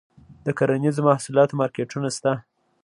د کرنیزو محصولاتو مارکیټونه شته؟